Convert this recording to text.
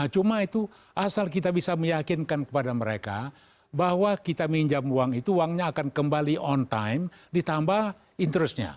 cuma itu asal kita bisa meyakinkan kepada mereka bahwa kita minjam uang itu uangnya akan kembali on time ditambah interestnya